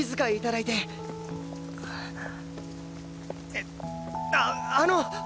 えっああの！